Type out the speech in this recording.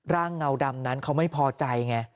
ร่างเงาดำนั้นเขาไม่พอใจ